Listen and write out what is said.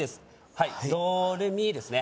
はいドレミですね